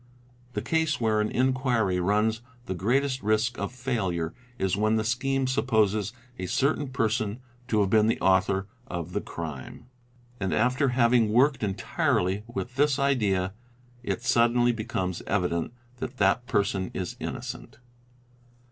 'The case where an inquiry runs the greatest risk of failure is when the scheme supposes a certain person to have been the author of the crime; and after having worked entirely with this idea, it suddenly becomes evident that that person is innocent.